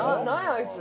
あいつ」。